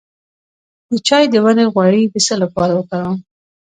د چای د ونې غوړي د څه لپاره وکاروم؟